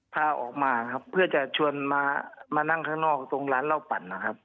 พาออกมาครับเพื่อจะชวนมามานั่งข้างนอกตรงร้านเหล้าปั่นนะครับ